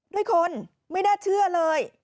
ด้วยคนไม่น่าเชื่อเลย